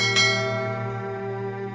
ceng eh tunggu